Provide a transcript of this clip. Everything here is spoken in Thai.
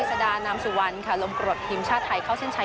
สดานามสุวรรณค่ะลมกรดทีมชาติไทยเข้าเส้นชัย